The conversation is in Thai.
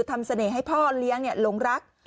ทำเสน่ห์ให้พ่อเลี้ยงเนี่ยหลงรัก